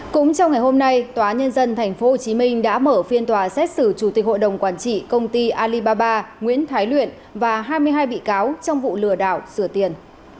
cũng trong ngày hôm nay tòa nhân dân tp hcm đã mở phiên tòa xét xử chủ tịch hội đồng quản trị công ty alibaba nguyễn thái luyện và hai mươi hai bị cáo trong vụ lừa đảo sửa tiền